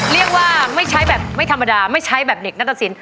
เรียกว่าไม่ใช้แบบไม่ธรรมดาไม่ใช้แบบเด็กนัตรสิน